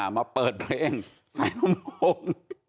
มาเปิดเพลงใส่ลำโพง